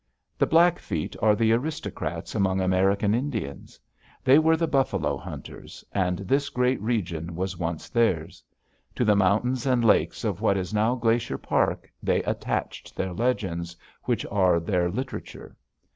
The Blackfeet are the aristocrats among American Indians. They were the buffalo hunters, and this great region was once theirs. To the mountains and lakes of what is now Glacier Park, they attached their legends, which are their literature.